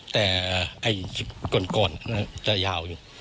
แต่ก่อนจะยาวอยู่